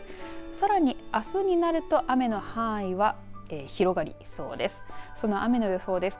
さらにあすになると雨の範囲は広がりそうです。